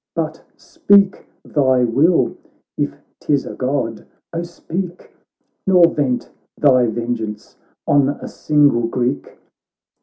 But speak thy will, if 'tis a God, oh speak ! Nor vent thy vengeance on a single Greek.'